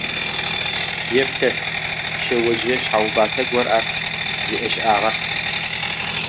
Еплъэлъ, шъэожъые шъхьэубатэ гор ар зиӏэшӏагъэр.